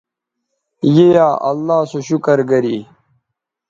ی یا اللہ سو شکر گری